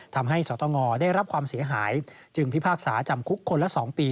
สตงได้รับความเสียหายจึงพิพากษาจำคุกคนละ๒ปี